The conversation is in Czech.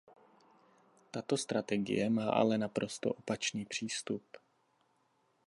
Tato strategie má ale naprosto opačný přístup.